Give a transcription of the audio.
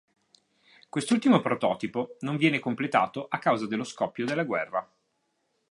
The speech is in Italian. Quest'ultimo prototipo non viene completato a causa dello scoppio della guerra.